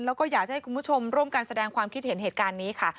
แล้วก็อยากจะให้คุณผู้ชมร่วมกันแสดงความคิดเห็นเหตุการณ์นี้ค่ะ